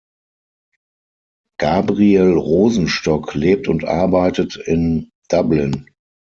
Gabriel Rosenstock lebt und arbeitet in Dublin.